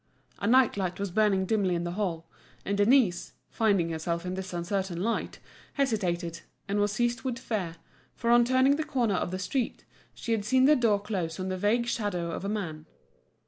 A night light was burning dimly in the hall, and Denise, finding herself in this uncertain light, hesitated, and was seized with fear, for on turning the corner of the street, she had seen the door close on the vague shadow of a man.